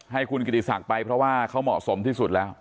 ให้คุณกิติศักดิ์ไปเพราะว่าเขาเหมาะสมที่สุดแล้ว